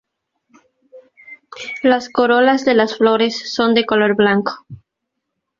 Las corolas de las flores son de color blanco.